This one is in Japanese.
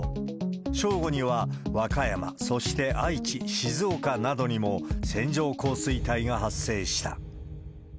正午には和歌山、そして愛知、静岡などにも線状降水帯が発生した。